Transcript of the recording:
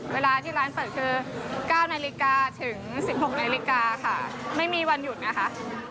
เวลาที่ร้านเปิดคือ๙นาฬิกาถึง๑๖นาฬิกาค่ะไม่มีวันหยุดนะคะ